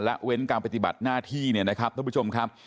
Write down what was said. และเว้นการปฏิบัติหน้าที่นะครับคุณผู้ชมครับ